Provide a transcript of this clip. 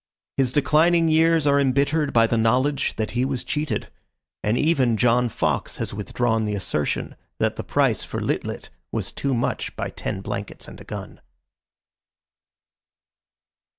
His declining years are embittered by the knowledge that he was cheated, and even John Fox has withdrawn the assertion that the price for Lit lit was too much by ten blankets and a gun.